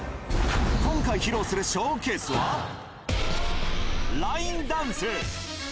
今回、披露するショーケースは、ラインダンス。